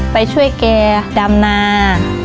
ไปช่วยแกดำนา